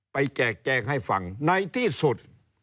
แจกแจงให้ฟังในที่สุด